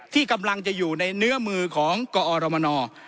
ที่กำลังจะอยู่ในเนื้อมือของกอรมน